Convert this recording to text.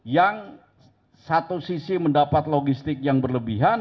yang satu sisi mendapat logistik yang berlebihan